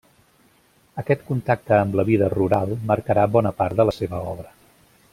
Aquest contacte amb la vida rural marcarà bona part de la seva obra.